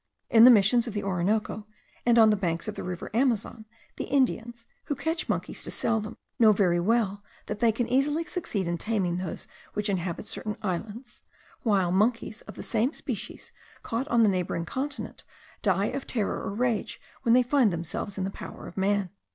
In the Missions of the Orinoco, and on the banks of the river Amazon, the Indians, who catch monkeys to sell them, know very well that they can easily succeed in taming those which inhabit certain islands; while monkeys of the same species, caught on the neighbouring continent, die of terror or rage when they find themselves in the power of man.